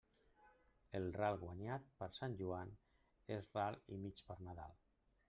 El ral guanyat per Sant Joan, és ral i mig per Nadal.